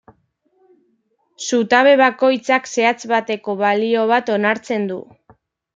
Zutabe bakoitzak zehatz bateko balio bat onartzen du.